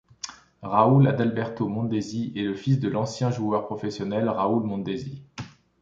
Raúl Adalberto Mondesí est le fils de l'ancien joueur professionnel Raúl Mondesí.